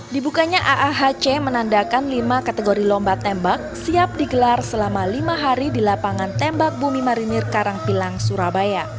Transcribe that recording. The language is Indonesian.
dibukanya aahc menandakan lima kategori lomba tembak siap digelar selama lima hari di lapangan tembak bumi marinir karangpilang surabaya